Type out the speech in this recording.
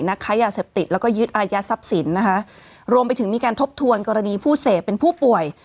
ค้ายาเสพติดแล้วก็ยึดอายัดทรัพย์สินนะคะรวมไปถึงมีการทบทวนกรณีผู้เสพเป็นผู้ป่วย